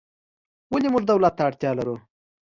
ولې موږ دولت ته اړتیا لرو؟